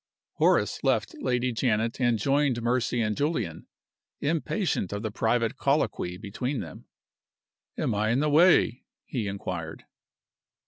Horace left Lady Janet, and joined Mercy and Julian impatient of the private colloquy between them. "Am I in the way?" he inquired.